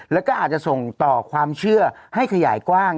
แล้วก็อาจจะส่งต่อความเชื่อให้ขยายกว้าง